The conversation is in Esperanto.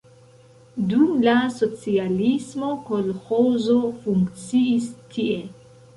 Dum la socialismo kolĥozo funkciis tie.